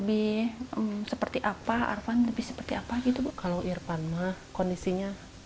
buk boleh ceritain gak bu kondisinya